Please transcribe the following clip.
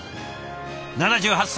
７８歳。